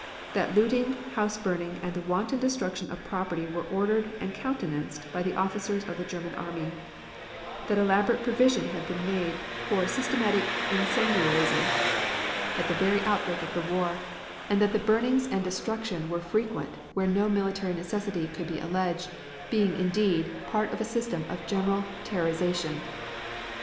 That looting, house burning, and the wanton destruction of property were ordered and countenanced by the officers of the German army, that elaborate provision had been made for systematic incendiarism at the very outbreak of the war, and that the burnings and destruction were frequent where no military necessity could be alleged, being, indeed, part of a system of general terrorization.